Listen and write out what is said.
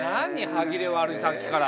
歯切れ悪いさっきから。